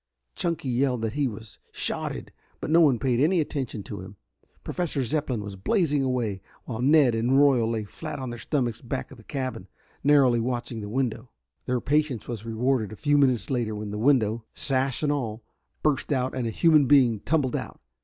Chunky yelled that he was "shotted," but no one paid any attention to him. Professor Zepplin was blazing away, while Ned and Royal lay flat on their stomachs back of the cabin, narrowly watching the window. Their patience was rewarded a few minutes later when the window, sash and all, burst out and a human being tumbled out.